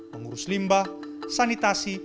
mengurus limbah sanitasi